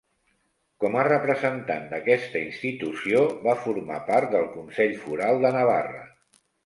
Com a representant d'aquesta institució, va formar part del Consell Foral de Navarra.